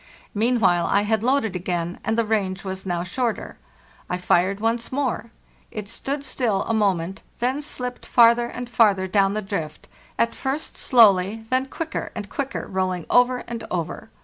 Meanwhile I had loaded again, and the range was now shorter. I fired once more. It stood still a moment, then slipped farther and farther down the drift, at first slowly, then quicker and quicker rolling over and over.